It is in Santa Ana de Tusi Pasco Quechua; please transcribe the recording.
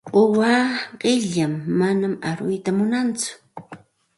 Quwaa qilam, manam aruyta munantsu.